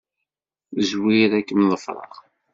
Zwir. Ad kem-ḍefreɣ.